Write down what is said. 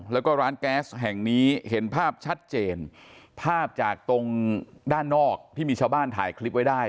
แล้วก็ร้านแก๊สแห่งนี้เห็นภาพชัดเจนภาพจากตรงด้านนอกที่มีชาวบ้านถ่ายคลิปไว้ได้